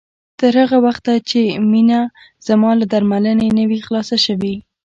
تر هغه وخته چې مينه زما له درملنې نه وي خلاصه شوې